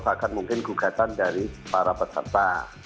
bahkan mungkin gugatan dari para peserta